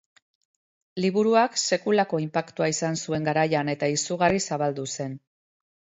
Liburuak sekulako inpaktua izan zuen garaian eta izugarri zabaldu zen.